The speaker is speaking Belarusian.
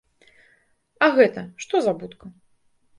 А гэта, што за будка?